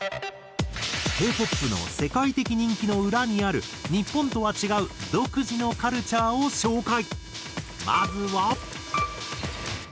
Ｋ−ＰＯＰの世界的人気の裏にある日本とは違う独自のカルチャーを紹介。